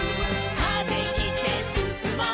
「風切ってすすもう」